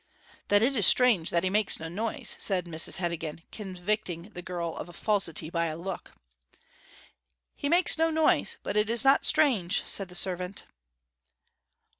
'Then it is strange that he makes no noise,' said Mrs Heddegan, convicting the girl of falsity by a look. 'He makes no noise; but it is not strange,' said the servant.